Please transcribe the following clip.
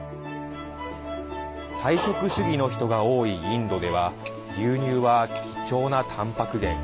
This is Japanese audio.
菜食主義の人が多いインドでは牛乳は貴重なタンパク源。